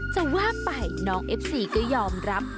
จะว่าไปน้องเอฟซีก็ยอมรับ